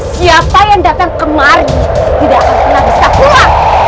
siapa yang datang kemari tidak akan pernah bisa pulang